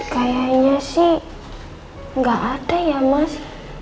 kayaknya sih nggak ada ya mas